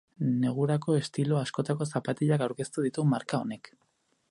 Negurako estilo askotako zapatilak aurkeztu ditu marka honek.